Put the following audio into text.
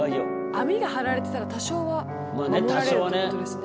網が張られてたら多少は守られるってことですね。